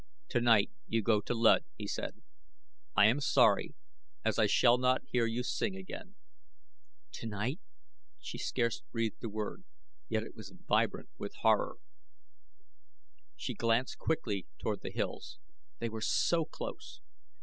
"Tonight you go to Luud," he said. "I am sorry as I shall not hear you sing again." "Tonight!" She scarce breathed the word, yet it was vibrant with horror. She glanced quickly toward the hills. They were so close!